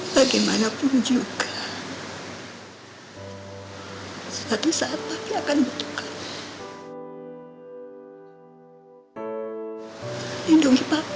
mami gak percaya sama perempuan itu